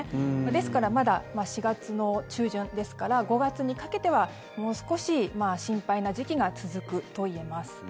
ですからまだ４月の中旬ですから５月にかけては、もう少し心配な時期が続くといえます。